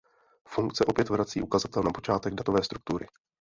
Funkce opět vrací ukazatel na počátek datové struktury.